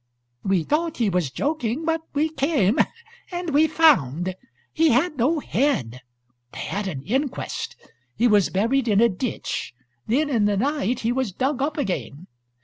We thought he was joking. But we came and we found. He had no head. They had an inquest; he was buried in a ditch; then in the night he was dug up again.